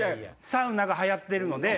サウナが流行ってるので。